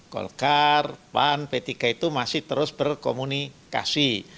golkar pan p tiga itu masih terus berkomunikasi